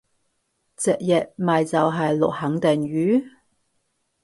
直譯咪就係落肯定雨？